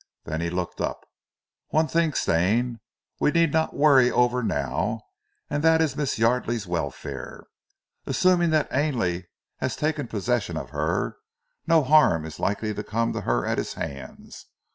Then he looked up. "One thing, Stane, we need not worry over now, and that is Miss Yardely's welfare. Assuming that Ainley has taken possession of her, no harm is likely to come to her at his hands.